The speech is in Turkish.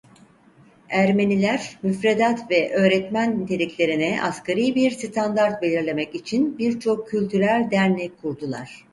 Ermeniler müfredat ve öğretmen niteliklerine asgari bir standart belirlemek için birçok kültürel dernek kurdular.